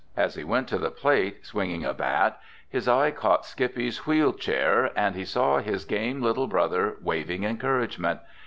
As he went to the plate swinging a bat, his eye caught Skippy's wheel chair, and he saw his game little brother waving encouragement.